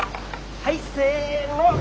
はいせの。